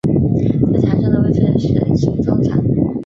在场上的位置是型中场。